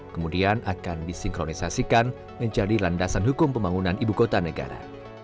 kemudian akan disinkronisasikan menjadi landasan hukum pembangunan ibu kota negara